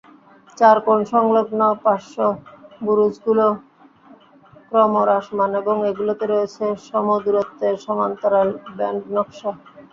চারকোণ-সংলগ্ন পার্শ্ব বুরুজগুলো ক্রমহ্রাসমান এবং এগুলোতে রয়েছে সমদূরত্বে সমান্তরাল ব্যান্ড নকশা।